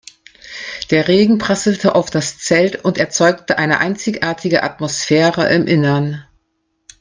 Der Regen prasselte auf das Zelt und erzeugte eine einzigartige Atmosphäre im Innern.